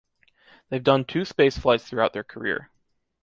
They’ve done two space flights throughout their career.